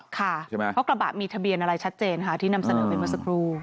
เพราะกระบะมีทะเบียนอะไรชัดเจนที่นำเสนอเป็นภาพสักครู่